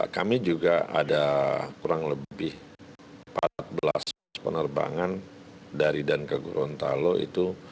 kami juga ada kurang lebih empat belas penerbangan dari dan ke gorontalo itu